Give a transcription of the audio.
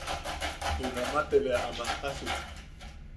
Junaman te bea am jajjasuk.